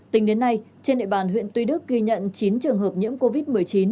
tính đến nay trên địa bàn huyện tuy đức ghi nhận chín trường hợp nhiễm covid một mươi chín